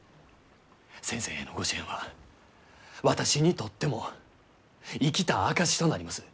先生へのご支援は私にとっても生きた証しとなります。